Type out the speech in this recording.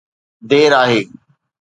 دير آهي.